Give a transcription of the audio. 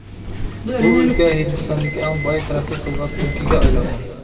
بۇ ئۆلكە ھىندىستاندىكى ئەڭ باي، تەرەققىي قىلغان ئۆلكىگە ئايلانغان.